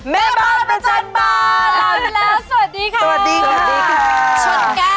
แม่บ้านประจันบาลเรารู้แล้วสวัสดีค่ะสวัสดีค่ะสวัสดีค่ะ